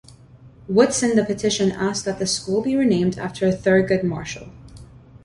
Woodson The petition asked that the school be renamed after Thurgood Marshall.